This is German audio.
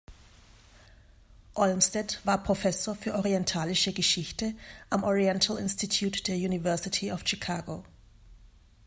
Olmstead war Professor für orientalische Geschichte am Oriental Institute der University of Chicago.